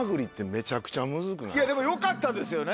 いやでもよかったですよね。